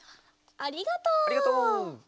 ありがとう。